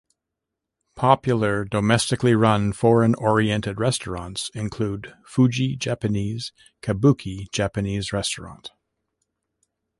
Popular domestically run foreign oriented restaurants include Fuji Japanese, Kabuki Japanese Restaurant.